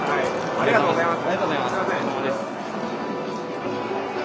ありがとうございます。